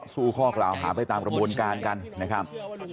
ข้อกล่าวหาไปตามกระบวนการกันนะครับ